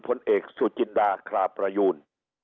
ผลเอกสุจินดาคลาประยูน